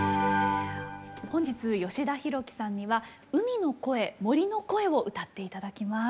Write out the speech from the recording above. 本日吉田ひろきさんには「海の声森の声」を歌って頂きます。